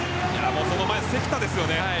その前の関田ですよね。